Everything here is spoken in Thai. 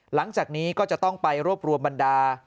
หลังจากนี้ก็จะต้องไปรวบรวมบรรดา